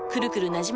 なじま